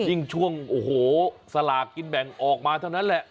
ยิ่งช่วงโอ้โหสลากกินแบ่งออกมาเท่านั้นแหละ